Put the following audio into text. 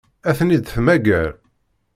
Ad ten-id-temmager?